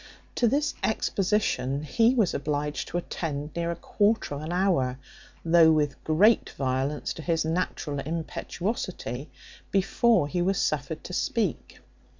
To this exposition he was obliged to attend near a quarter of an hour, though with great violence to his natural impetuosity, before he was suffered to speak.